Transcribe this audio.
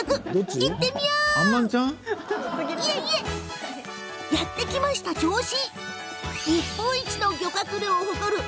いえいえ。ということで、やって来ました銚子！